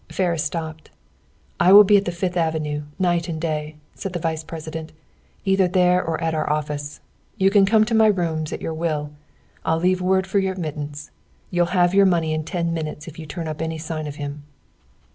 Ferris stopped. "I will be at the Fifth Avenue, night and day," said the vice president, "either there or at our office. You can come to my rooms at your will. I'll leave word for your admittance. You'll have your money in ten minutes if you turn up any sign of him."